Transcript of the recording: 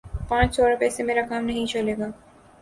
پانچ سو روپے سے میرا کام نہیں چلے گا